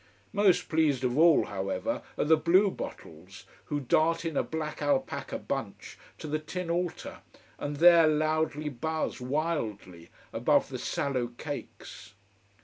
Most pleased of all, however, are the blue bottles, who dart in a black alpaca bunch to the tin altar, and there loudly buzz, wildly, above the sallow cakes.